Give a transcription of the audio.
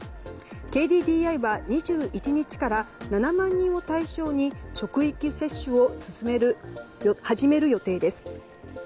ＫＤＤＩは２１日から７万人を対象に職域接種を始める予定です。